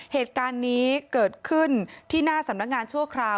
เหตุการณ์นี้เกิดขึ้นที่หน้าสำนักงานชั่วคราว